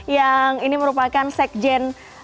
yang ini merupakan sekjen